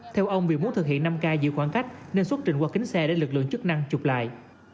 theo ông vì muốn thực hiện năm k giữ khoảng cách nên xuất trình qua kính xe để lực lượng chức năng chụp lại